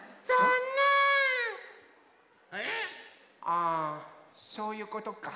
あそういうことか。